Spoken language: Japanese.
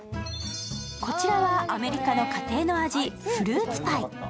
こちらはアメリカの家庭の味フルーツパイ。